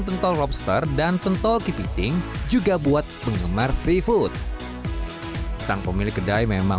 pentol lobster dan pentol kepiting juga buat penggemar seafood sang pemilik kedai memang